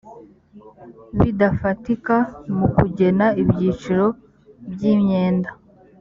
bidafatika mu kugena ibyiciro by imyenda